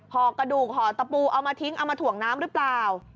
ห่อกระดูกห่อตะปูเอามาทิ้งเอามาถ่วงน้ำหรือเปล่า